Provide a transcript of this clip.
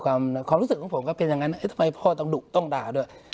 ความรู้สึกของผมก็เป็นอย่างนั้นทำไมพ่อต้องดุต้องด่าด้วย